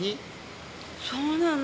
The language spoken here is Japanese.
そうなの。